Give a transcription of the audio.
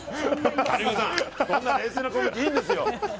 谷岡さん、そんな冷静なコメントいいんですよ！